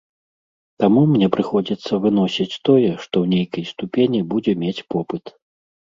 Таму мне прыходзіцца выносіць тое, што ў нейкай ступені будзе мець попыт.